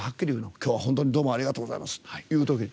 今日は本当にどうもありがとうございますっていうときに。